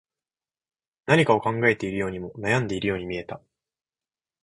何かを考えているようにも、悩んでいるようにも見えた